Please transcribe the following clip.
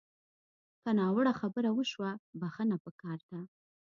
که ناوړه خبره وشوه، بښنه پکار ده